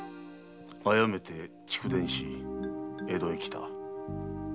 殺めて逐電し江戸へ来た。